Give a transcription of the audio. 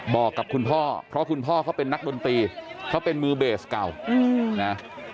บอกกับคุณพ่อเพราะคุณพ่อเขาเป็นนักดนตรีเขาเป็นมือเบสเก่านะ